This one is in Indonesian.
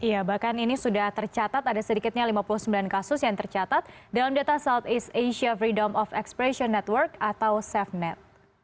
iya bahkan ini sudah tercatat ada sedikitnya lima puluh sembilan kasus yang tercatat dalam data southeast asia freedom of expression network atau safenet